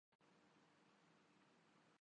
اس فکر میں رہنے کیلئے۔